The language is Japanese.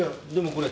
これ！